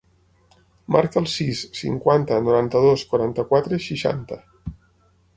Marca el sis, cinquanta, noranta-dos, quaranta-quatre, seixanta.